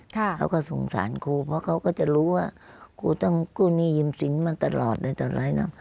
ค่ะเขาก็สงสารครูเพราะเขาก็จะรู้ว่าครูนี่ยืมสินมาตลอดเลยตลอดเลยนะ